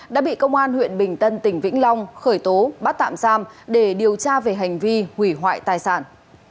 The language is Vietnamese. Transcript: đã bị công an huyện bình tân tỉnh vĩnh long khởi tố bắt tạm giam để điều tra về hành vi hủy hoại tài sản